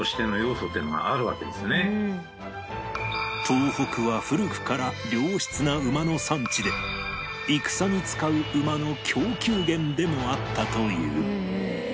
東北は古くから良質な馬の産地で戦に使う馬の供給源でもあったという